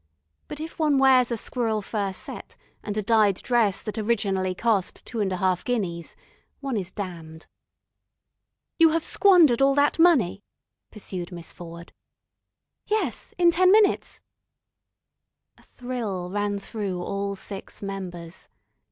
But if one wears a squirrel fur "set," and a dyed dress that originally cost two and a half guineas, one is damned. "You have squandered all that money?" pursued Miss Ford. "Yes. In ten minutes." A thrill ran through all six members.